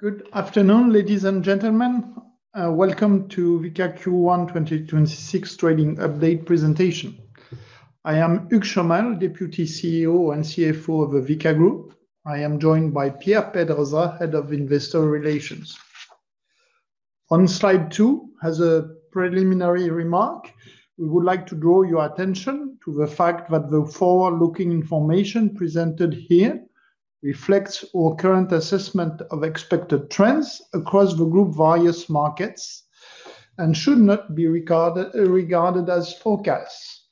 Good afternoon, ladies and gentlemen. Welcome to Vicat Q1 2026 trading update presentation. I am Hugues Chomel, Deputy CEO and CFO of the Vicat Group. I am joined by Pierre Pedrosa, Head of Investor Relations. On slide two, as a preliminary remark, we would like to draw your attention to the fact that the forward-looking information presented here reflects our current assessment of expected trends across the group various markets and should not be regarded as forecasts.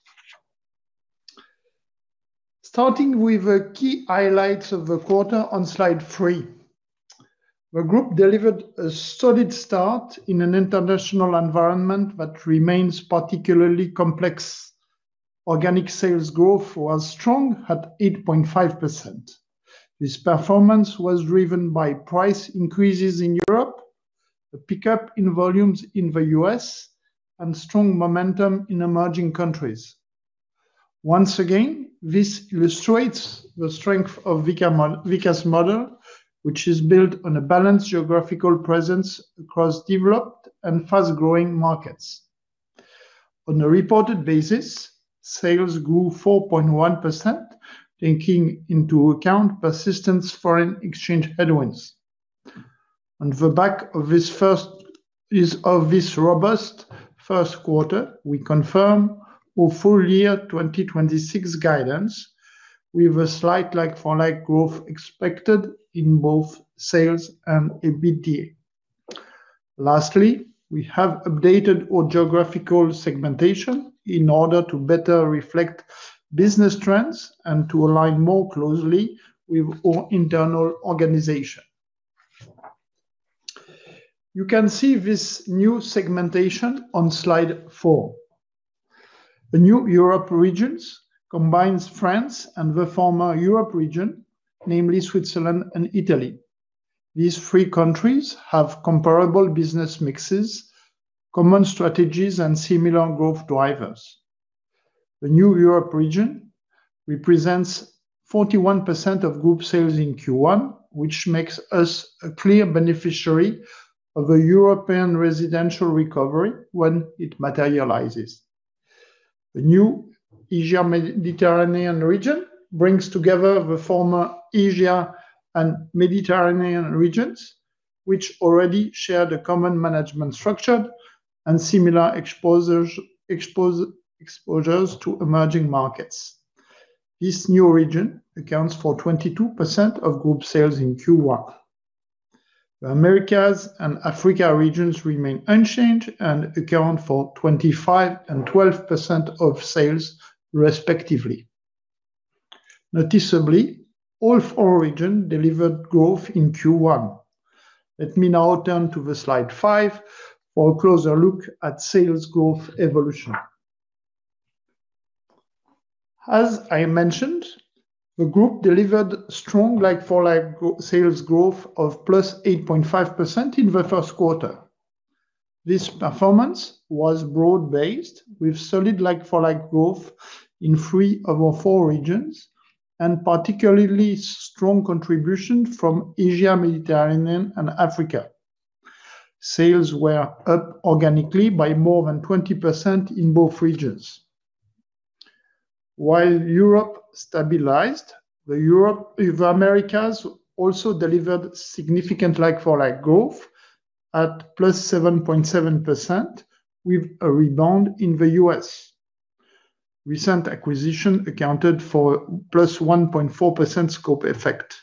Starting with the key highlights of the quarter on slide three. The group delivered a solid start in an international environment that remains particularly complex. Organic sales growth was strong at 8.5%. This performance was driven by price increases in Europe, a pickup in volumes in the U.S., and strong momentum in emerging countries. Once again, this illustrates the strength of Vicat's model, which is built on a balanced geographical presence across developed and fast-growing markets. On a reported basis, sales grew 4.1%, taking into account persistent foreign exchange headwinds. On the back of this robust 1st quarter, we confirm our full year 2026 guidance with a slight like-for-like growth expected in both sales and EBITDA. Lastly, we have updated our geographical segmentation in order to better reflect business trends and to align more closely with our internal organization. You can see this new segmentation on slide four. The new Europe regions combines France and the former Europe region, namely Switzerland and Italy. These three countries have comparable business mixes, common strategies, and similar growth drivers. The new Europe region represents 41% of group sales in Q1, which makes us a clear beneficiary of a European residential recovery when it materializes. The new Asia-Mediterranean region brings together the former Asia and Mediterranean regions, which already share the common management structure and similar exposures to emerging markets. This new region accounts for 22% of group sales in Q1. The Americas and Africa regions remain unchanged and account for 25% and 12% of sales, respectively. Noticeably, all four regions delivered growth in Q1. Let me now turn to the slide five for a closer look at sales growth evolution. As I mentioned, the group delivered strong like-for-like sales growth of +8.5% in the first quarter. This performance was broad-based with solid like-for-like growth in three of our four regions and particularly strong contribution from Asia, Mediterranean, and Africa. Sales were up organically by more than 20% in both regions. While Europe stabilized, the Americas also delivered significant like-for-like growth at +7.7% with a rebound in the U.S. Recent acquisition accounted for +1.4% scope effect.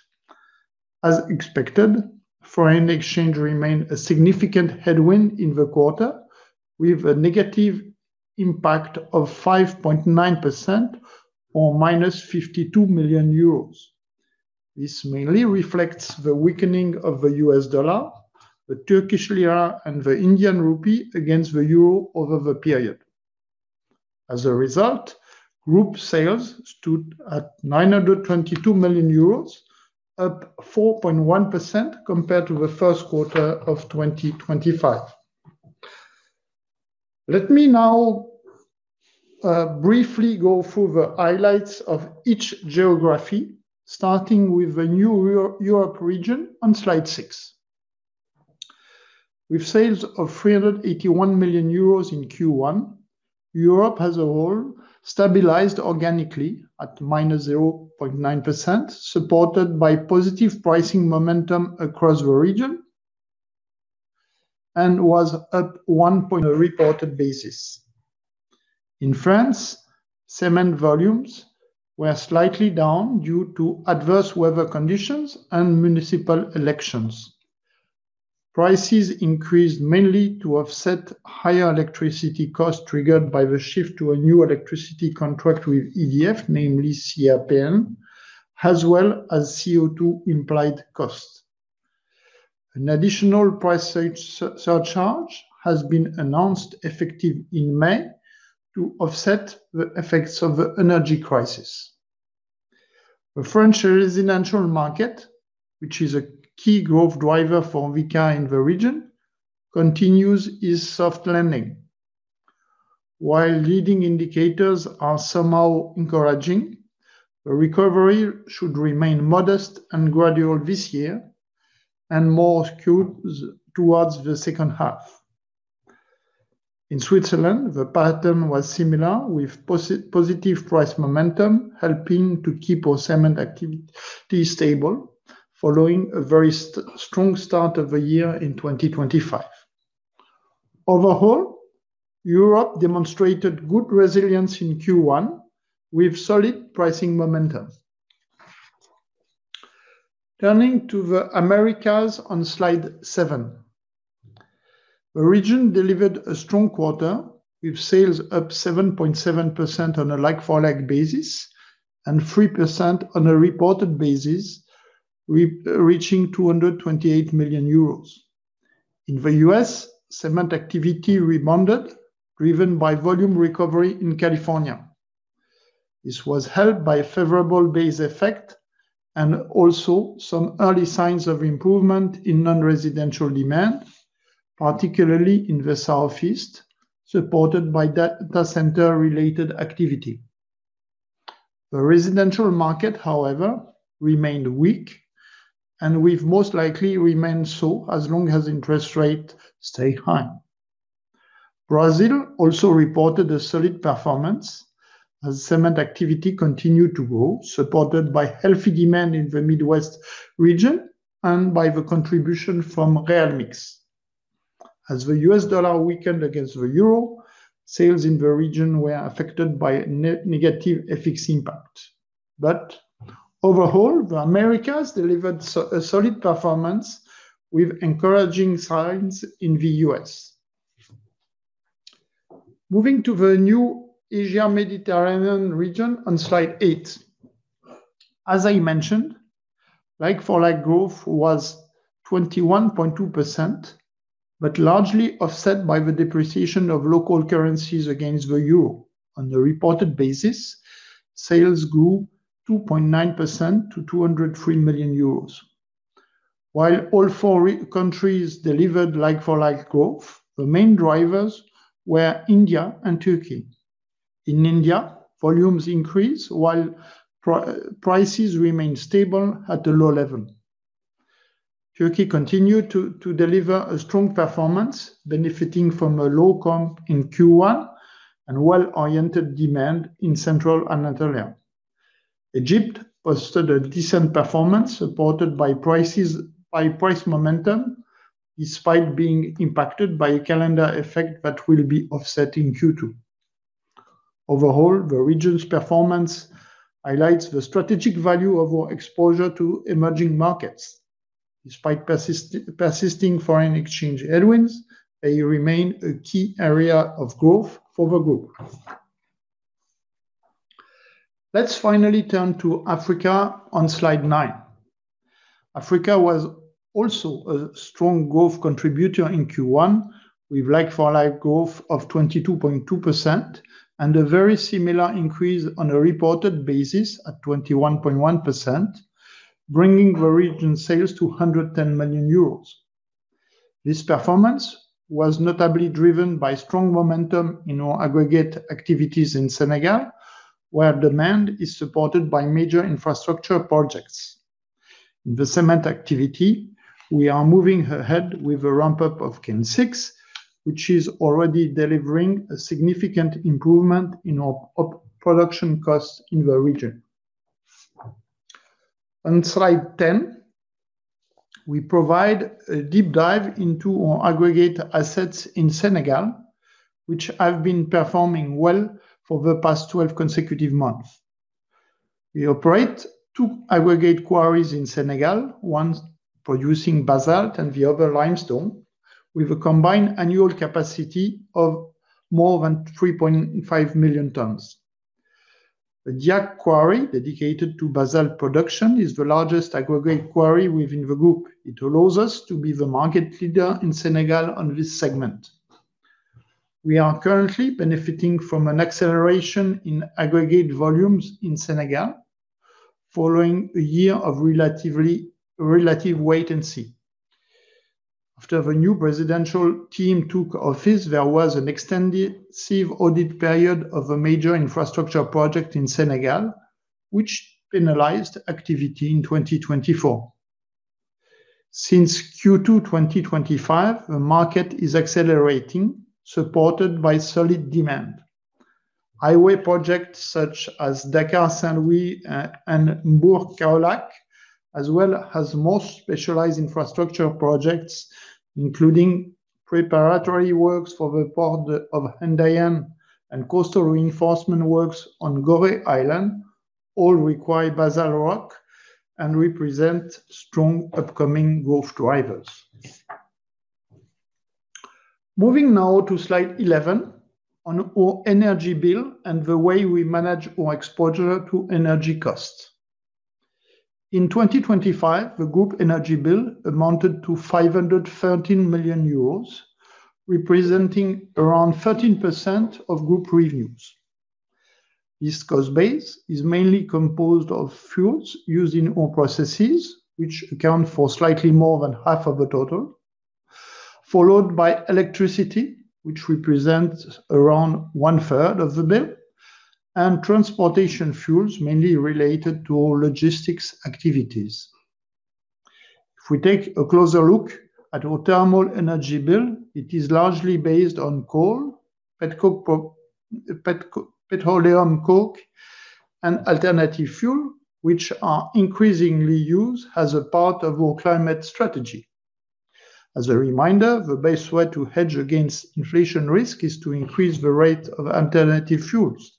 As expected, foreign exchange remained a significant headwind in the quarter with a negative impact of -5.9% or - 52 million euros. This mainly reflects the weakening of the U.S. dollar, the Turkish lira, and the Indian rupee against the euro over the period. As a result, group sales stood at 922 million euros, up 4.1% compared to the first quarter of 2025. Let me now briefly go through the highlights of each geography, starting with the new Europe region on slide six. With sales of 381 million euros in Q1, Europe as a whole stabilized organically at -0.9%, supported by positive pricing momentum across the region and was up 1.8% reported basis. In France, cement volumes were slightly down due to adverse weather conditions and municipal elections. Prices increased mainly to offset higher electricity costs triggered by the shift to a new electricity contract with EDF, namely CAPN, as well as CO2 implied costs. An additional price surcharge has been announced effective in May to offset the effects of the energy crisis. The French residential market, which is a key growth driver for Vicat in the region, continues its soft landing. While leading indicators are somehow encouraging, recovery should remain modest and gradual this year and more skewed towards the second half. In Switzerland, the pattern was similar, with positive price momentum helping to keep our cement activity stable following a very strong start of the year in 2025. Overall, Europe demonstrated good resilience in Q1 with solid pricing momentum. Turning to the Americas on slide seven. The region delivered a strong quarter, with sales up 7.7% on a like-for-like basis and 3% on a reported basis, re-reaching EUR 228 million. In the U.S., cement activity rebounded, driven by volume recovery in California. This was helped by a favorable base effect and also some early signs of improvement in non-residential demand, particularly in the Southeast, supported by data center related activity. The residential market, however, remained weak, and will most likely remain so as long as interest rates stay high. Brazil also reported a solid performance as cement activity continued to grow, supported by healthy demand in the Midwest region and by the contribution from REALMIX. As the US dollar weakened against the euro, sales in the region were affected by negative FX impact. Overall, the Americas delivered a solid performance with encouraging signs in the U.S. Moving to the new Asia-Mediterranean region on slide eight. As I mentioned, like-for-like growth was 21.2%, but largely offset by the depreciation of local currencies against the euro. On a reported basis, sales grew 2.9% to 203 million euros. While all four countries delivered like-for-like growth, the main drivers were India and Turkey. In India, volumes increased while prices remained stable at a low level. Turkey continued to deliver a strong performance, benefiting from a low comp in Q1 and well-oriented demand in central Anatolia. Egypt posted a decent performance supported by price momentum, despite being impacted by a calendar effect that will be offset in Q2. Overall, the region's performance highlights the strategic value of our exposure to emerging markets. Despite persisting foreign exchange headwinds, they remain a key area of growth for the group. Let's finally turn to Africa on slide nine. Africa was also a strong growth contributor in Q1, with like-for-like growth of 22.2% and a very similar increase on a reported basis at 21.1%, bringing the region sales to 110 million euros. This performance was notably driven by strong momentum in our Aggregates activities in Senegal, where demand is supported by major infrastructure projects. In the Cement activity, we are moving ahead with a ramp-up of Kiln 6, which is already delivering a significant improvement in our op-production costs in the region. On slide 10, we provide a deep dive into our aggregate assets in Senegal, which have been performing well for the past 12 consecutive months. We operate two aggregate quarries in Senegal, one producing basalt and the other limestone, with a combined annual capacity of more than 3.5 million tons. The Diack quarry, dedicated to basalt production, is the largest aggregate quarry within the group. It allows us to be the market leader in Senegal on this segment. We are currently benefiting from an acceleration in aggregate volumes in Senegal following a year of relative wait and see. After the new presidential team took office, there was an extensive audit period of a major infrastructure project in Senegal, which penalized activity in 2024. Since Q2 2025, the market is accelerating, supported by solid demand. Highway projects such as Dakar-Saint-Louis and Mbour-Kaolack, as well as more specialized infrastructure projects, including preparatory works for the port of Ndayane and coastal reinforcement works on Gorée Island, all require basalt rock and represent strong upcoming growth drivers. Moving now to slide 11 on our energy bill and the way we manage our exposure to energy costs. In 2025, the Vicat Group energy bill amounted to 513 million euros, representing around 13% of Vicat Group revenues. This cost base is mainly composed of fuels used in our processes, which account for slightly more than half of the total, followed by electricity, which represents around 1/3 of the bill, and transportation fuels, mainly related to our logistics activities. If we take a closer look at our thermal energy bill, it is largely based on coal, petroleum coke, and alternative fuel, which are increasingly used as a part of our climate strategy. As a reminder, the best way to hedge against inflation risk is to increase the rate of alternative fuels.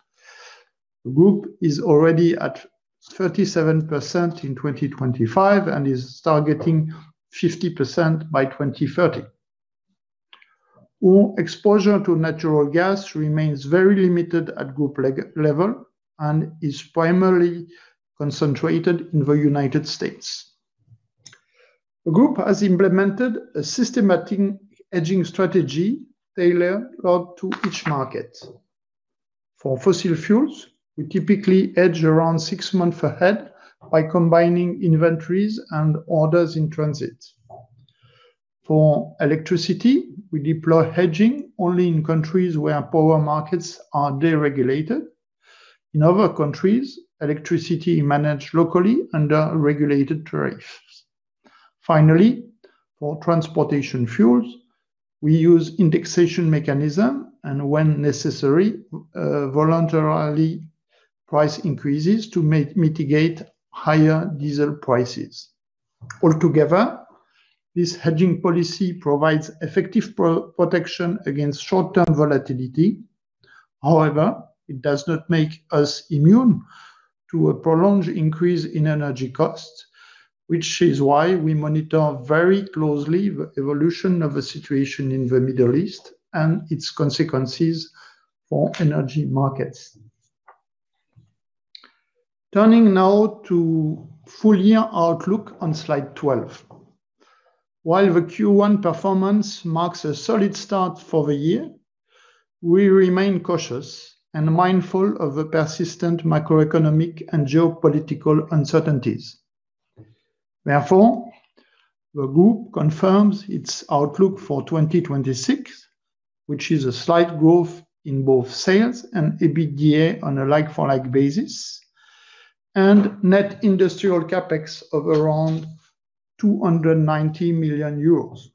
The Vicat Group is already at 37% in 2025 and is targeting 50% by 2030. Our exposure to natural gas remains very limited at group level and is primarily concentrated in the U.S. The group has implemented a systematic hedging strategy tailored to each market. For fossil fuels, we typically hedge around six months ahead by combining inventories and orders in transit. For electricity, we deploy hedging only in countries where power markets are deregulated. In other countries, electricity is managed locally under regulated tariffs. For transportation fuels, we use indexation mechanism and when necessary, voluntarily price increases to mitigate higher diesel prices. Altogether, this hedging policy provides effective protection against short-term volatility. It does not make us immune to a prolonged increase in energy costs, which is why we monitor very closely the evolution of the situation in the Middle East and its consequences for energy markets. Turning now to full year outlook on slide 12. While the Q1 performance marks a solid start for the year, we remain cautious and mindful of the persistent macroeconomic and geopolitical uncertainties. Therefore, the group confirms its outlook for 2026, which is a slight growth in both sales and EBITDA on a like-for-like basis and net industrial CapEx of around 290 million euros.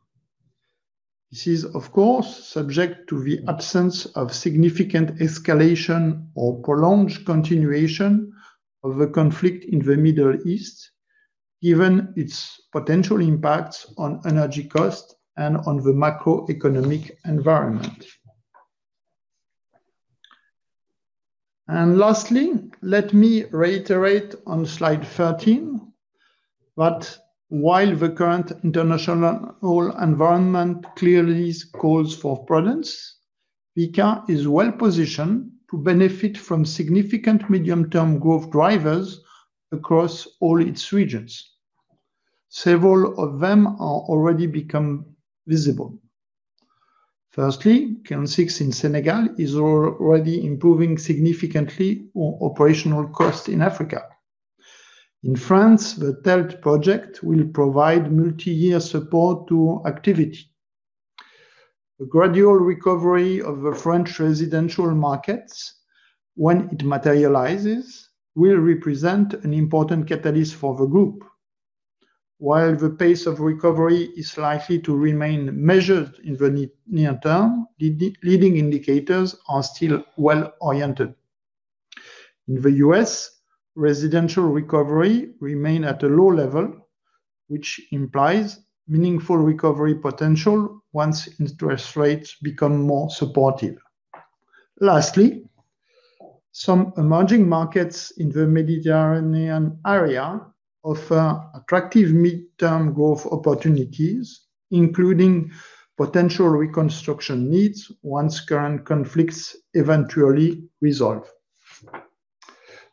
This is, of course, subject to the absence of significant escalation or prolonged continuation of the conflict in the Middle East, given its potential impacts on energy costs and on the macroeconomic environment. Lastly, let me reiterate on slide 13 that while the current international oil environment clearly calls for prudence, Vicat is well-positioned to benefit from significant medium-term growth drivers across all its regions. Several of them are already become visible. Firstly, Kiln 6 in Senegal is already improving significantly on operational costs in Africa. In France, the third project will provide multi-year support to activity. The gradual recovery of the French residential markets, when it materializes, will represent an important catalyst for the group. While the pace of recovery is likely to remain measured in the near term, the leading indicators are still well-oriented. In the U.S., residential recovery remain at a low level, which implies meaningful recovery potential once interest rates become more supportive. Lastly, some emerging markets in the Mediterranean area offer attractive mid-term growth opportunities, including potential reconstruction needs once current conflicts eventually resolve.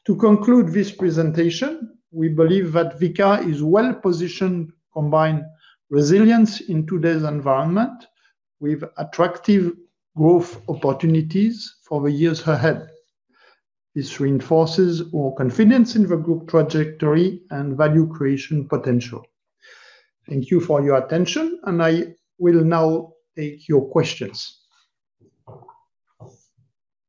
To conclude this presentation, we believe that Vicat is well-positioned to combine resilience in today's environment with attractive growth opportunities for the years ahead. This reinforces our confidence in the group trajectory and value creation potential. Thank you for your attention, I will now take your questions.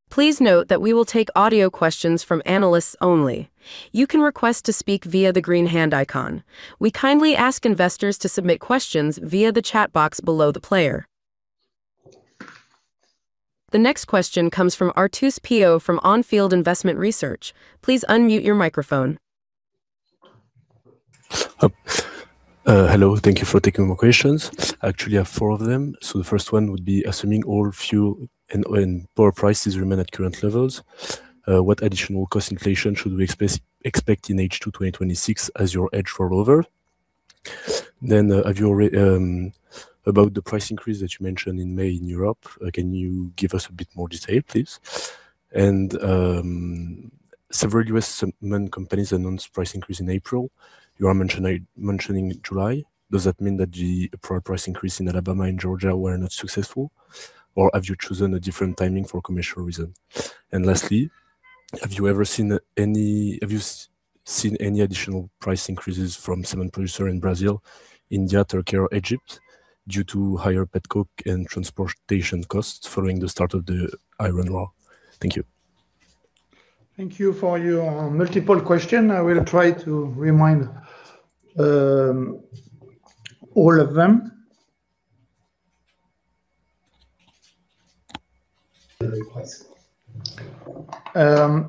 Please note that we will take audio questions from analysts only. You can request to speak via the green hand icon. We kindly ask investors to submit questions via the chat box below the player. The next question comes from Arnaud Pinatel from On Field Investment Research. Please unmute your microphone. Hello. Thank you for taking my questions. I actually have four of them. The first one would be assuming oil, fuel and power prices remain at current levels, what additional cost inflation should we expect in H2 2026 as your hedge roll over? About the price increase that you mentioned in May in Europe, can you give us a bit more detail, please? Several U.S. cement companies announced price increase in April. You are mentioning July. Does that mean that the price increase in Alabama and Georgia were not successful, or have you chosen a different timing for commercial reason? Lastly, have you seen any additional price increases from cement producer in Brazil, India, Turkey or Egypt due to higher petcoke and transportation costs following the start of the Iran war? Thank you. Thank you for your multiple question. I will try to remind all of them.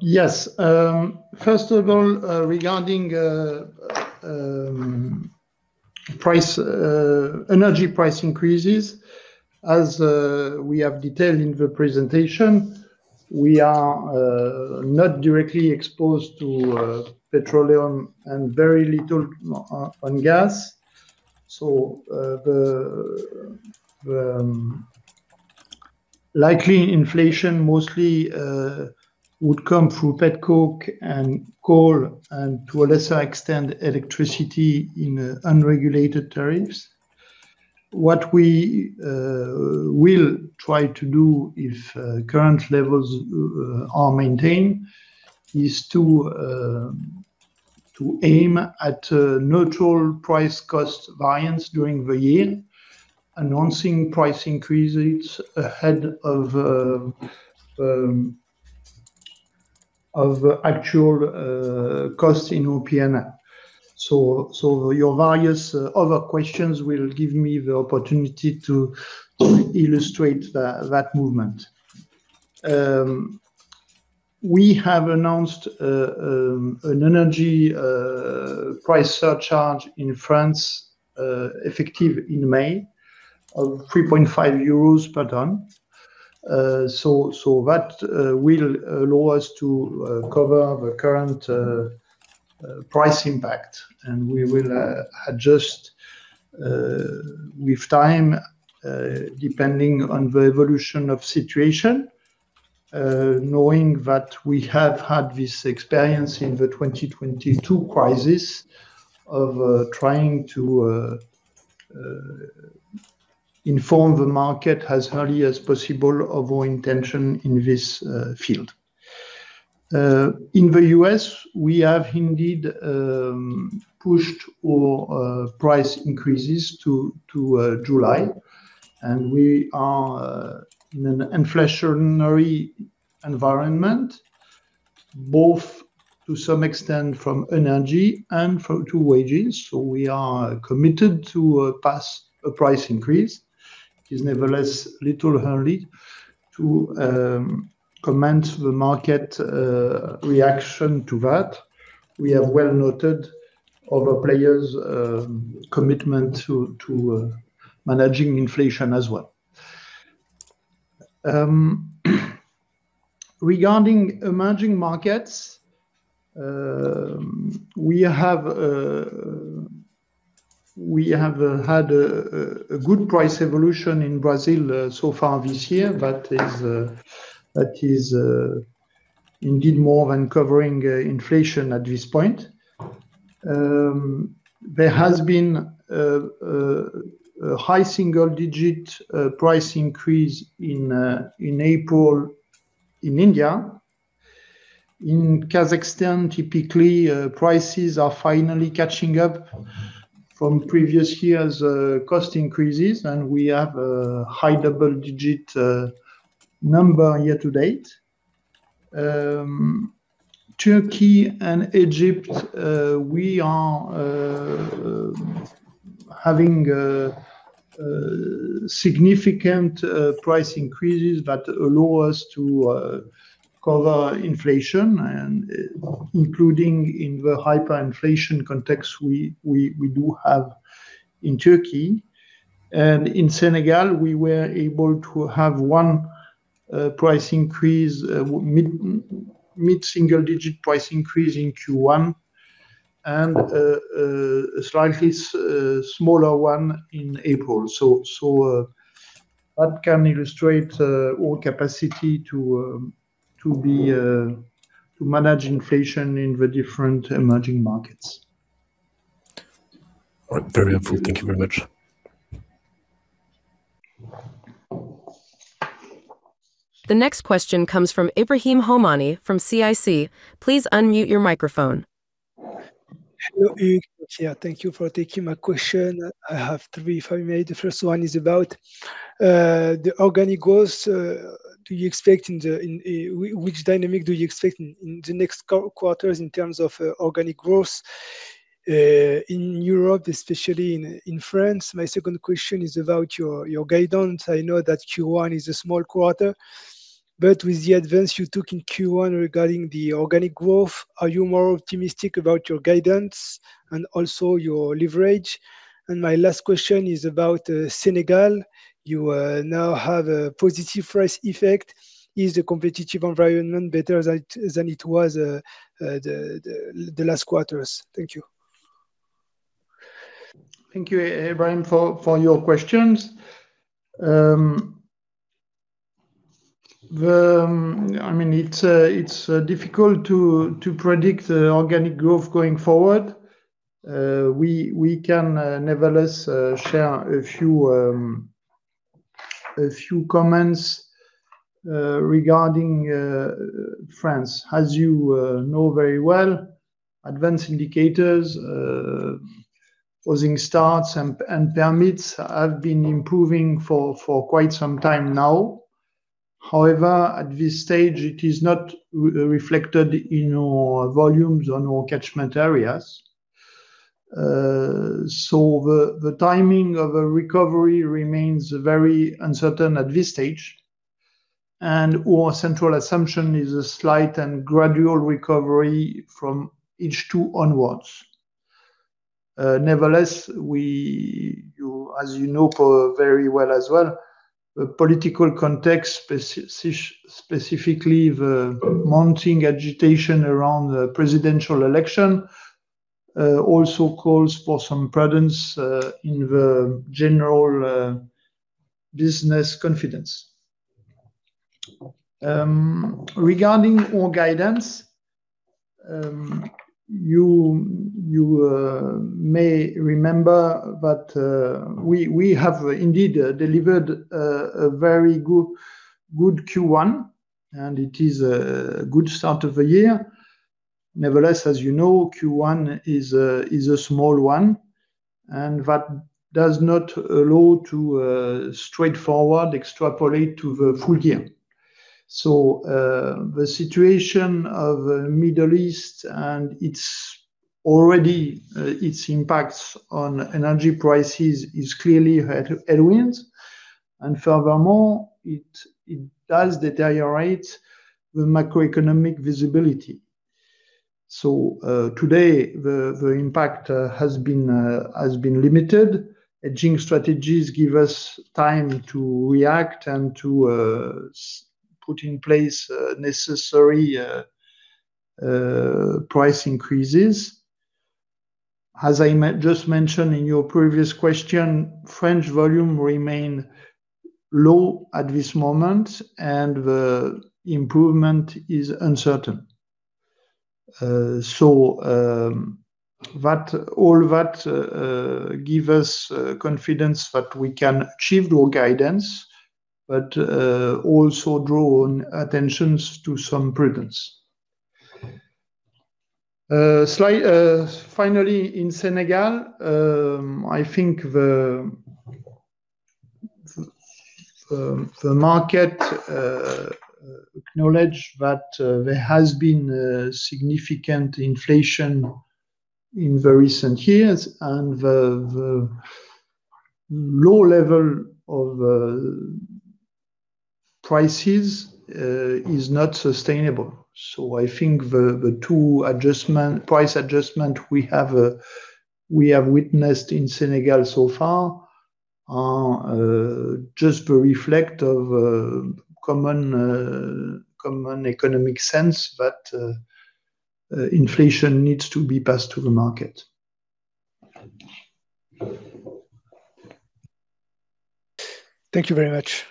Yes. First of all, regarding price, energy price increases, as we have detailed in the presentation, we are not directly exposed to petroleum and very little on gas. The likely inflation mostly would come through petcoke and coal and, to a lesser extent, electricity in unregulated tariffs. What we will try to do if current levels are maintained is to aim at a neutral price cost variance during the year, announcing price increases ahead of actual cost in OP&A. Your various other questions will give me the opportunity to illustrate that movement. We have announced an energy price surcharge in France, effective in May of 3.5 euros per ton. That will allow us to cover the current price impact. We will adjust with time depending on the evolution of situation, knowing that we have had this experience in the 2022 crisis of trying to inform the market as early as possible of our intention in this field. In the U.S., we have indeed pushed our price increases to July, we are in an inflationary environment, both to some extent from energy and to wages. We are committed to pass a price increase. It is nevertheless little early to comment the market reaction to that. We have well noted other players' commitment to managing inflation as well. Regarding emerging markets, we have had a good price evolution in Brazil so far this year. That is indeed more than covering inflation at this point. There has been a high single-digit price increase in April in India. In Kazakhstan, typically, prices are finally catching up from previous years' cost increases, and we have a high double-digit number year to date. Turkey and Egypt, we are having significant price increases that allow us to cover inflation and including in the hyperinflation context we do have in Turkey. In Senegal, we were able to have one price increase, mid-single digit price increase in Q1 and a slightly smaller one in April. That can illustrate our capacity to be to manage inflation in the different emerging markets. All right. Very helpful. Thank you very much. The next question comes from Ebrahim Homani from CIC. Please unmute your microphone. Yeah. Thank you for taking my question. I have three if I may. The first one is about the organic growth. Which dynamic do you expect in the next quarters in terms of organic growth in Europe, especially in France? My second question is about your guidance. I know that Q1 is a small quarter, with the advance you took in Q1 regarding the organic growth, are you more optimistic about your guidance and also your leverage? My last question is about Senegal. You now have a positive price effect. Is the competitive environment better than it was the last quarters? Thank you. Thank you, Ebrahim, for your questions. I mean, it's difficult to predict organic growth going forward. We can nevertheless share a few comments regarding France. As you know very well, advanced indicators, closing starts and permits have been improving for quite some time now. However, at this stage, it is not reflected in our volumes on our catchment areas. The timing of a recovery remains very uncertain at this stage, and our central assumption is a slight and gradual recovery from H2 onwards. Nevertheless, you, as you know very well as well, the political context, specifically the mounting agitation around the presidential election, also calls for some prudence in the general business confidence. Regarding our guidance, you may remember that we have indeed delivered a very good Q1, it is a good start of the year. Nevertheless, as you know, Q1 is a small one, that does not allow to straightforward extrapolate to the full year. The situation of Middle East and its already its impacts on energy prices is clearly headwinds, furthermore, it does deteriorate the macroeconomic visibility. Today, the impact has been limited. Hedging strategies give us time to react and to put in place necessary price increases. As I just mentioned in your previous question, French volume remain low at this moment, the improvement is uncertain. That, all that, give us confidence that we can achieve our guidance, also draw attention to some prudence. Finally, in Senegal, I think the market acknowledges that there has been a significant inflation in the recent years, and the low level of prices is not sustainable. I think the two adjustment, price adjustment we have witnessed in Senegal so far are just a reflection of common economic sense that inflation needs to be passed to the market. Thank you very much.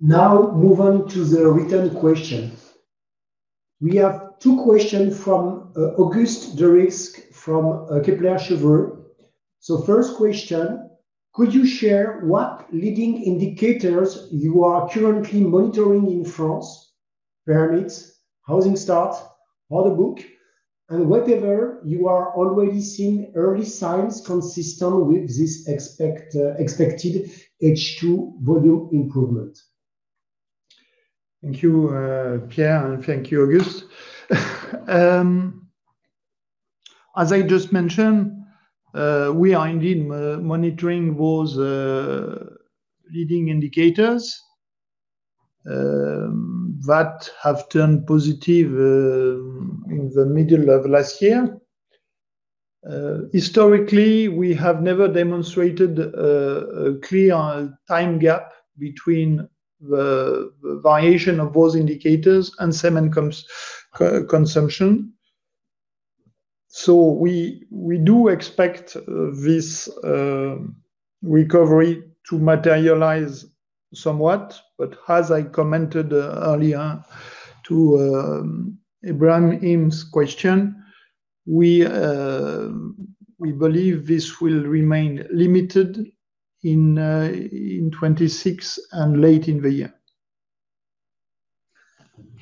Now move on to the written questions. We have two questions from Auguste Deryckx from Kepler Cheuvreux. First question: could you share what leading indicators you are currently monitoring in France? Permits, housing starts, order book, and whether you are already seeing early signs consistent with this expected H2 volume improvement. Thank you, Pierre, and thank you, Auguste. As I just mentioned, we are indeed monitoring those leading indicators that have turned positive in the middle of last year. Historically, we have never demonstrated a clear time gap between the variation of those indicators and cement consumption. We do expect this recovery to materialize somewhat, but as I commented earlier to Ebrahim's question, we believe this will remain limited in 2026 and late in the year.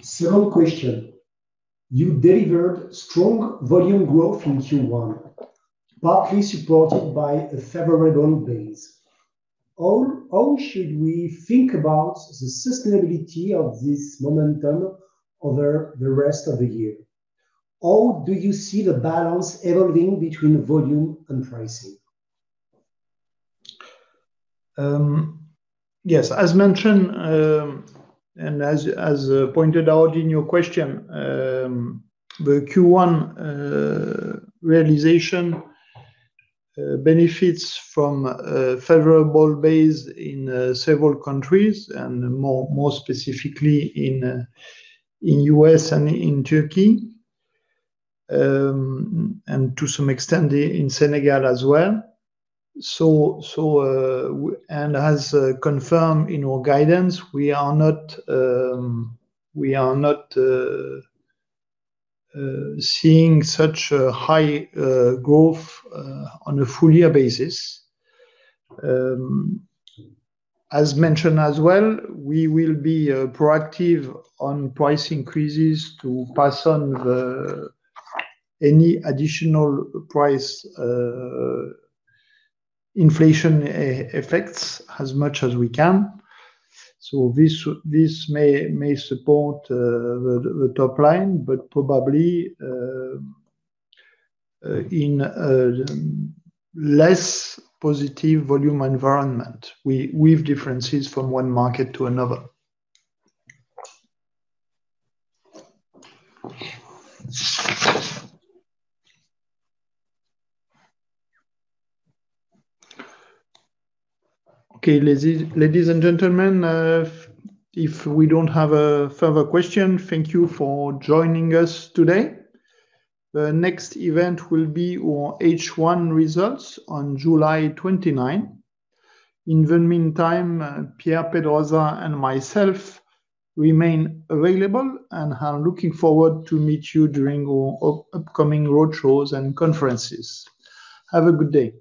Second question: You delivered strong volume growth in Q1, partly supported by a favorable base. How should we think about the sustainability of this momentum over the rest of the year? Do you see the balance evolving between volume and pricing? Yes. As mentioned, and as pointed out in your question, the Q1 realization benefits from a favorable base in several countries, and more specifically in U.S. and in Turkey, and to some extent in Senegal as well. And as confirmed in our guidance, we are not seeing such a high growth on a full year basis. As mentioned as well, we will be proactive on price increases to pass on the any additional price inflation effects as much as we can. This may support the top line, but probably in a less positive volume environment. With differences from one market to another. Okay. Ladies, ladies and gentlemen, if we don't have a further question, thank you for joining us today. The next event will be our H1 results on July 29. In the meantime, Pierre Pedrosa and myself remain available and are looking forward to meet you during our upcoming road shows and conferences. Have a good day.